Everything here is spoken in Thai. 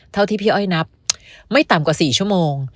เท่าที่พี่อ้อยนับไม่ต่ำกว่า๔ชั่วโมง